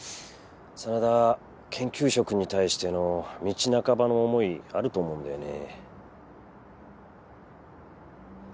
真田研究職に対しての道半ばの思いあると思うんだよね。